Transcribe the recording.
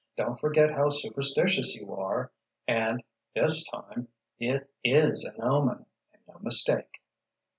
Don't forget how superstitious you are. And—this time—it is an omen, and no mistake."